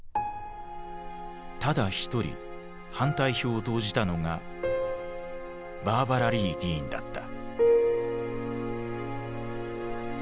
ただ一人反対票を投じたのがバーバラ・リー議員だった。